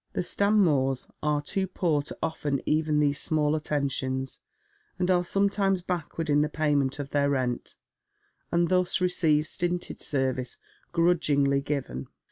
The Stanmores are too poor to offer even these small attentions, and ape sometimes backward in the payment of their rent, and thus receive stinted service grudgingly given.